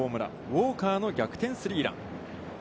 ウォーカーの逆転スリーラン。